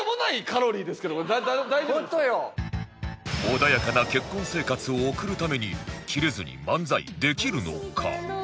穏やかな結婚生活を送るためにキレずに漫才できるのか？